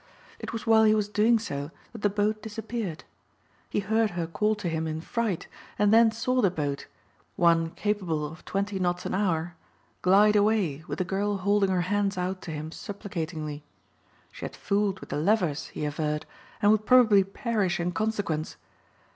It was while he was doing so that the boat disappeared. He heard her call to him in fright and then saw the boat one capable of twenty knots an hour glide away with the girl holding her hands out to him supplicatingly. She had fooled with the levers, he averred, and would probably perish in consequence.